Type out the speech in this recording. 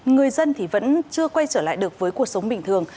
người dân thì vẫn chưa quay trở lại được với cuộc sống bình thường